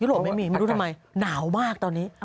โรปไม่มีไม่รู้ทำไมหนาวมากตอนนี้